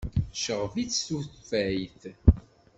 Tceɣɣeb-itt tufayt.